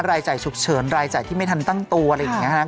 รายจ่ายฉุกเฉินรายจ่ายที่ไม่ทันตั้งตัวอะไรอย่างนี้ครับ